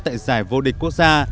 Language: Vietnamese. tại giải vô địch quốc gia